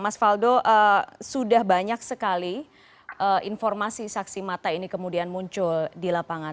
mas faldo sudah banyak sekali informasi saksi mata ini kemudian muncul di lapangan